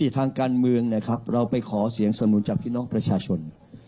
ทางการเมืองนะครับเราไปขอเสียงสนุนจากพี่น้องประชาชน